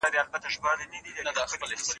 د تفريق دا ډول د محکمي له لاري وي.